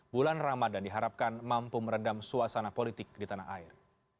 bulan ramadan diharapkan mampu meredam suasana politik di tanah air